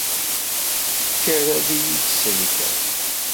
Kker ad iyi-d-tsellkeḍ.